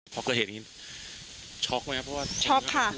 เพราะเกิดเหตุนี้ช็อคไหมครับเพราะว่าช็อคค่ะ